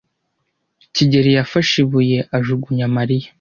kigeli yafashe ibuye ajugunya Mariya.